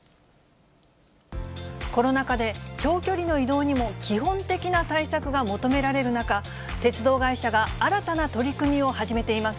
コロナ禍で、長距離の移動にも基本的な対策が求められる中、鉄道会社が新たな取り組みを始めています。